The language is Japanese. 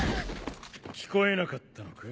聞こえなかったのか？